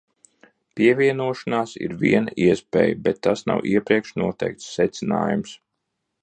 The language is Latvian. Pievienošanās ir viena iespēja, bet tas nav iepriekš noteikts secinājums.